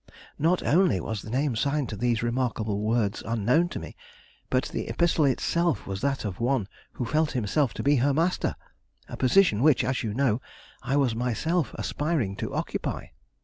Not only was the name signed to these remarkable words unknown to me, but the epistle itself was that of one who felt himself to be her master: a position which, as you know, I was myself aspiring to occupy.